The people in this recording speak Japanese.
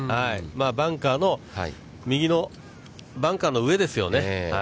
バンカーの右のバンカーの上ですよね。